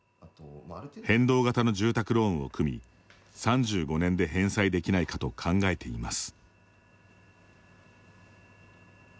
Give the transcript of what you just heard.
変動型の住宅ローンを組み３５年で返済できないかと考えています。